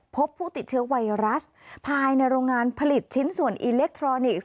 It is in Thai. พบผู้ติดเชื้อไวรัสภายในโรงงานผลิตชิ้นส่วนอิเล็กทรอนิกส์